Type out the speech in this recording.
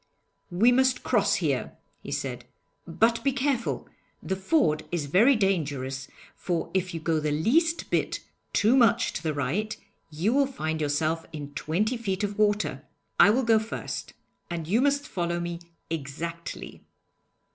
'We must cross here,' he said. 'But be careful. The ford is very dangerous, for if you go the least bit too much to the right, you will find yourself in twenty feet of water. I will go first, and you must follow me exactly.'